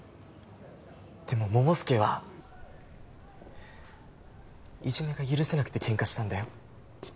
でも桃介はいじめが許せなくて喧嘩したんだよ。